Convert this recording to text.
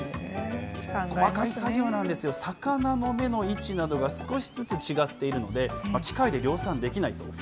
細かい作業なんですよ、魚の目の位置などが少しずつ違っているので、機械で量産できないと。